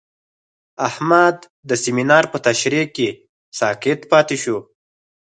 احمد د سمینار په تشریح کې ساکت پاتې شو.